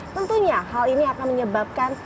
tentunya hal ini akan menyebabkan